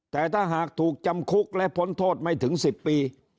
แต่ถ้าหากถูกจำคุกและพ้นโทษไม่ถึง๑๐ปี